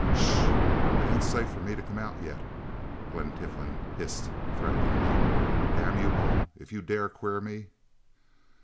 "Shhh it ain't safe for me to come out yet," Glen Tiflin hissed threateningly. "Damn you all if you dare queer me...!"